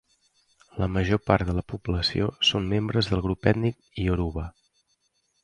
La major part de la població són membres del grup ètnic ioruba.